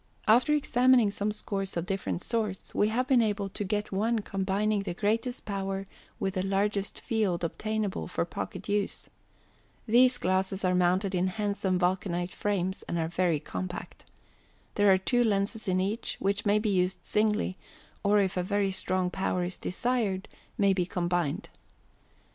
After examining some scores of different sorts, we have been able to get one combining the greatest power with the largest field obtainable for pocket use. These glasses are mounted in handsome vulcanite frames, and are very compact. There are two lenses in each, which may be used singly, or if a very strong power is desired, may be combined.